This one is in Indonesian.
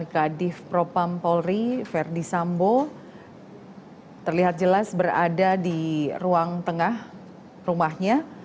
kadif propam polri verdi sambo terlihat jelas berada di ruang tengah rumahnya